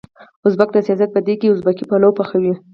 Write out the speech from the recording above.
ازبک د سياست په دېګ کې ازبکي پلو پخوي.